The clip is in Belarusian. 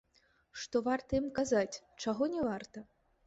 Што варта ім казаць, чаго не варта?